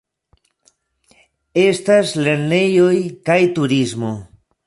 Estas lernejoj kaj turismo.